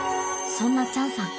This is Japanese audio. そんなチャンさん